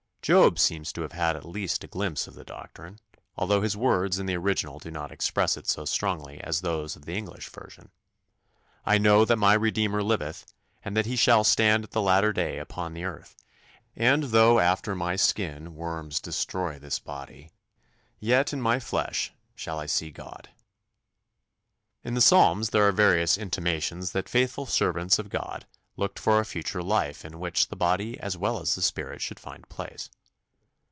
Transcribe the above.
Job seems to have had at least a glimpse of the doctrine, although his words in the original do not express it so strongly as those of the English version: "I know that my redeemer liveth, and that he shall stand at the latter day upon the earth: and though after my skin worms destroy this body, yet in my flesh shall I see God." In the Psalms there are various intimations that faithful servants of God looked for a future life in which the body as well as the spirit should find place.